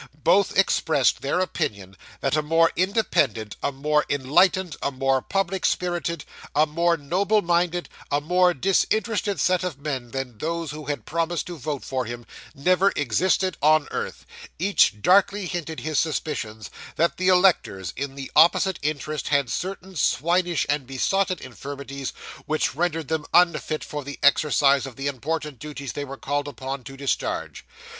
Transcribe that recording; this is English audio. Both expressed their opinion that a more independent, a more enlightened, a more public spirited, a more noble minded, a more disinterested set of men than those who had promised to vote for him, never existed on earth; each darkly hinted his suspicions that the electors in the opposite interest had certain swinish and besotted infirmities which rendered them unfit for the exercise of the important duties they were called upon to discharge.